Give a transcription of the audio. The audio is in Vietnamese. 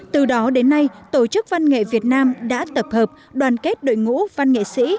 từ đó đến nay tổ chức văn nghệ việt nam đã tập hợp đoàn kết đội ngũ văn nghệ sĩ